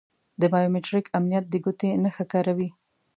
د بایو میتریک امنیت د ګوتې نښه کاروي.